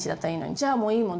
じゃあもういいもん。